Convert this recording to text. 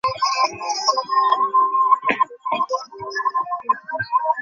জুতা পাইয়া অমলের আশা আরো বাড়িয়া উঠিল।